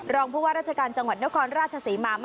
รองผู้ว่าราชการจังหวัดนครราชศรีมา